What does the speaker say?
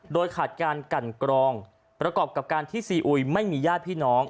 โดยขาดการกันกรองประกอบกับการที่ซีอุยไม่มีญาติพี่น้อง